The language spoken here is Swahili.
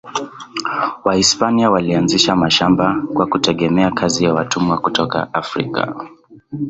Wahispania walianzisha mashamba kwa kutegemea kazi ya watumwa kutoka Afrika.